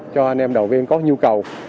cho anh em đầu viên có nhu cầu